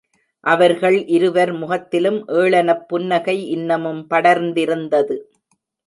அவர்கள் இருவர் முகத்திலும் ஏளனப்புன்னகை இன்னமும் படர்ந்திருந்தது.